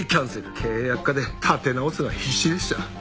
経営悪化で立て直すのが必死でした。